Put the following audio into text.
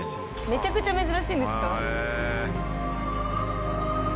めちゃくちゃ珍しいんですか。